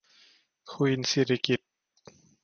ควีนสิริกิติ์